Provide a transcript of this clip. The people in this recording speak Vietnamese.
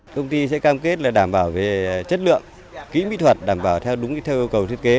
công ty sẽ cam kết đảm bảo về chất lượng kỹ mỹ thuật đảm bảo theo đúng theo yêu cầu thiết kế